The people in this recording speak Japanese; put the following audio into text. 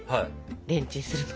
レンチンするの。